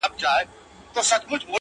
کيسه د فکر سبب ګرځي تل,